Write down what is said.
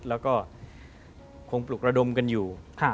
แล้วก็คงปลุกระดมกันอยู่